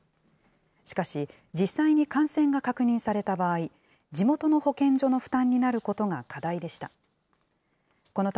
しかし、実際に感染が確認された場合、地元の保健所の負担になることが課題でした。